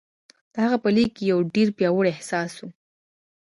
د هغه په ليک کې يو ډېر پياوړی احساس و.